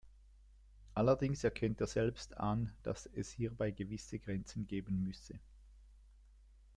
Allerdings erkennt er selbst an, dass es hierbei gewisse Grenzen geben müsse.